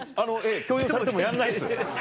強要されてもやんないです。